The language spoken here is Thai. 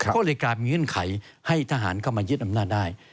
ก็เลยกลายเป็นเงื่อนไขให้ทหารเข้ามายึดอำนาจได้